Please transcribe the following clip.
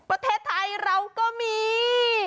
ประเทศไทยเราก็มี